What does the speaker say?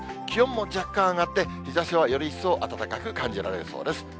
気温も若干上がって、日ざしはより一層、暖かく感じられそうです。